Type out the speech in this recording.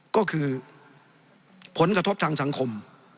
ก็คือผลกระทบทางสังคม